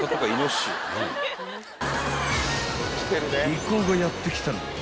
［一行がやって来たのは］